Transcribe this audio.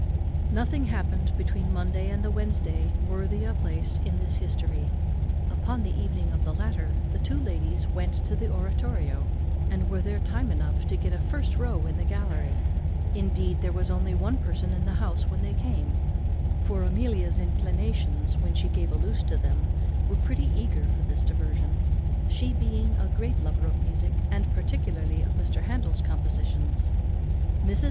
_ Nothing happened between the Monday and the Wednesday worthy a place in this history. Upon the evening of the latter the two ladies went to the oratorio, and were there time enough to get a first row in the gallery. Indeed, there was only one person in the house when they came; for Amelia's inclinations, when she gave a loose to them, were pretty eager for this diversion, she being a great lover of music, and particularly of Mr. Handel's compositions. Mrs.